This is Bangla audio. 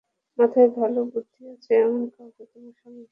মাথায় ভালো বুদ্ধি আছে এমন কাউকে তোমার স্বামী হিসেবে গ্রহণ করা উচিত ছিল।